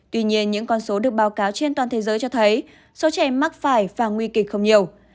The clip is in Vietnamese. tuy nhiên những con số được báo cáo trên toàn thế giới cho thấy số trẻ mắc phải và nguy kịch không nhiều